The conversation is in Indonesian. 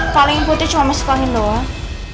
palingin putri cuma masuk angin doang